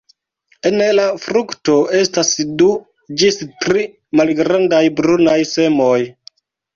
En la frukto estas du ĝis tri malgrandaj brunaj semoj.